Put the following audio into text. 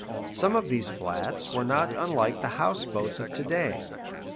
Some of these flats were not unlike the house boats of to day.